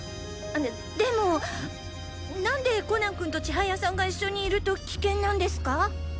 ででも何でコナン君と千速さんが一緒にいると危険なんですか？